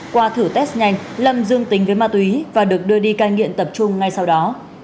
qua thử test nhanh lâm dương tính với ma túy và được đưa đi cai nghiện tập trung ngay sau đó